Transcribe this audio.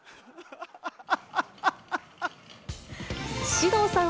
獅童さん。